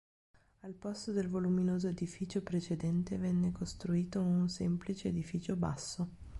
Al posto del voluminoso edificio precedente, venne costruito un semplice edificio basso.